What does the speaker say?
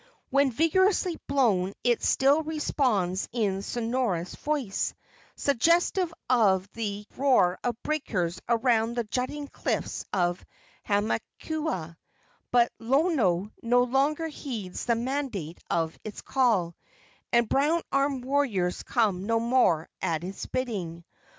When vigorously blown it still responds in sonorous voice, suggestive of the roar of breakers around the jutting cliffs of Hamakua; but Lono no longer heeds the mandate of its call, and brown armed warriors come no more at its bidding.